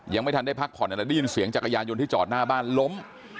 ยังไม่ทันได้พักผ่อนอะไรได้ยินเสียงจักรยานยนต์ที่จอดหน้าบ้านล้ม